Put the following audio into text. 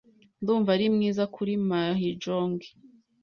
Ndumva ari mwiza kuri mahjong.